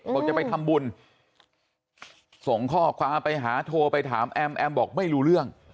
บอกจะไปทำบุญส่งข้อความไปหาโทรไปถามแอมแอมบอกไม่รู้เรื่อง